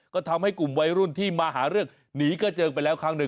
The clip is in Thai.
ก็ทำให้กลุ่มวัยรุ่นที่มาหาเรื่องหนีกระเจิงไปแล้วครั้งหนึ่ง